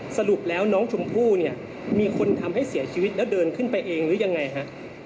สรุปแล้วน้องชมพู่เนี่ยมีคนทำให้เสียชีวิตแล้วเดินขึ้นไปเองหรือยังไงฮะ